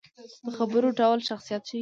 د خبرو ډول شخصیت ښيي